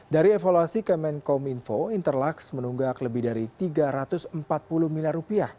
dari evaluasi kemenkom info interlaks menunggak lebih dari rp tiga ratus empat puluh miliar